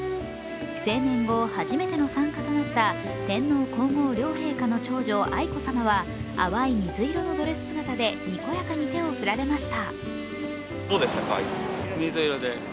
成年後、初めての参加となった天皇皇后両陛下の長女・愛子さまは淡い水色のドレス姿でにこやかに手を振られました。